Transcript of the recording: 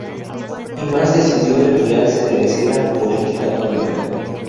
Imaz decidió retirarse de la escena política pública.